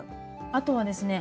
あとはですね